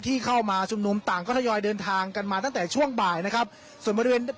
เข้ามาชุมนุมต่างก็ทยอยเดินทางกันมาตั้งแต่ช่วงบ่ายนะครับส่วนบริเวณ